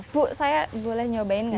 bu saya boleh nyobain gak sih